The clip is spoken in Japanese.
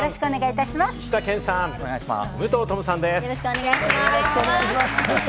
よろしくお願いします。